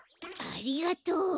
ありがとう。